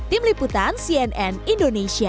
tim liputan cnn indonesia